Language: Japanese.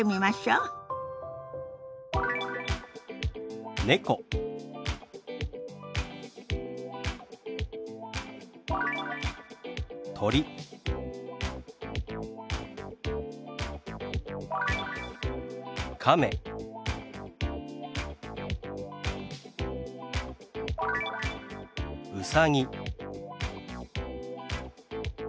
「うさぎ」。